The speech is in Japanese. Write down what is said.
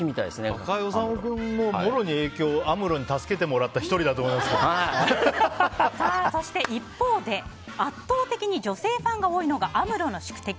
若井おさむ君も、もろに影響アムロに助けてもらった１人だとそして、一方で圧倒的に女性ファンが多いのがアムロの宿敵